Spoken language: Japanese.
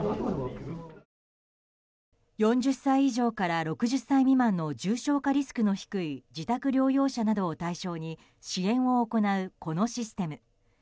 ４０歳以上から６０歳未満の重症化リスクの低い自宅療養者を対象に支援を行うこのシステム。